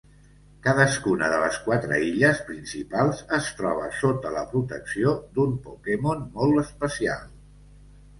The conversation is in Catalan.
Cadascuna de les quatre illes principals es troba sota la protecció d'un Pokémon molt especial.